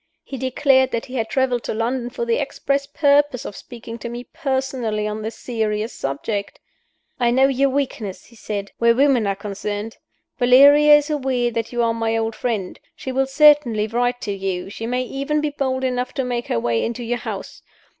He declared that he had traveled to London for the express purpose of speaking to me personally on this serious subject. 'I know your weakness,' he said, 'where women are concerned. Valeria is aware that you are my old friend. She will certainly write to you; she may even be bold enough to make her way into your house.